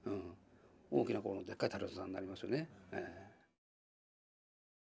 大きなこうでっかいタレントさんになりますよね。